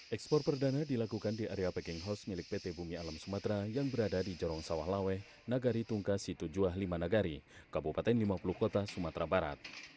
ekspor perdana dilakukan di area packing house milik pt bumi alam sumatera yang berada di jorong sawah laweh nagari tungka situ juah lima nagari kabupaten lima puluh kota sumatera barat